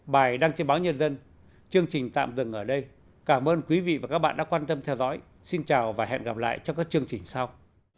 bài đăng trên báo nhân dân chương trình tạm dừng ở đây cảm ơn quý vị và các bạn đã quan tâm theo dõi xin chào và hẹn gặp lại trong các chương trình sau